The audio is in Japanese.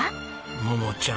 桃ちゃん